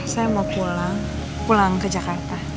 saya mau pulang pulang ke jakarta